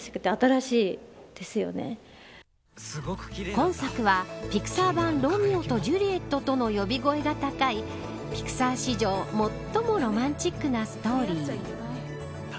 今作はピクサー版ロミオとジュリエットとの呼び声が高いピクサー史上最もロマンチックなストーリー。